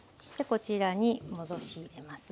こちらに戻し入れます。